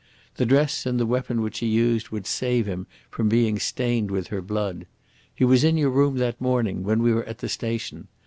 The dress and the weapon which he used would save him from being stained with her blood. He was in your room that morning, when we were at the station.